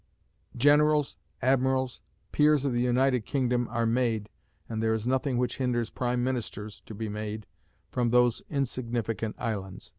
Generals, admirals, peers of the United Kingdom are made, and there is nothing which hinders prime ministers to be made from those insignificant islands.